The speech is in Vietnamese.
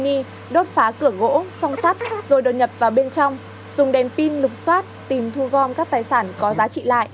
hưng nghi đốt phá cửa gỗ xong sắt rồi đột nhập vào bên trong dùng đèn pin lục xoát tìm thu gom các tài sản có giá trị lại